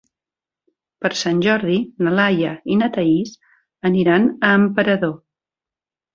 Per Sant Jordi na Laia i na Thaís aniran a Emperador.